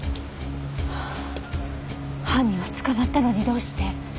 犯人は捕まったのにどうして。